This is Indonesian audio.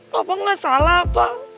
papa gak salah apa